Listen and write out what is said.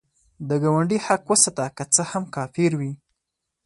د ګاونډي حق وساته، که څه هم کافر وي